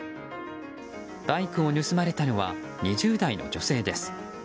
バイクを盗まれたのは２０代の女性です。